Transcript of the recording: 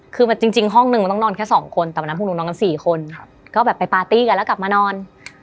คือจริงห้องนึงมันต้องนอนแค่สองคนแต่วันนั้นพวกหนูนอนกัน๔คนก็แบบไปปาร์ตี้กันแล้วกลับมานอน